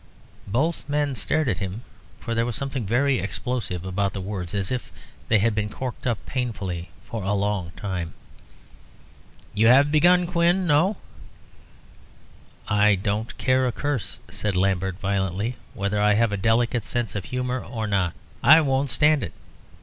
Both men stared at him, for there was something very explosive about the words, as if they had been corked up painfully for a long time. "You have," began Quin, "no " "I don't care a curse," said Lambert, violently, "whether I have 'a delicate sense of humour' or not. I won't stand it.